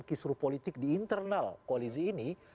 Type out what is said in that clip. kisruh politik di internal koalisi ini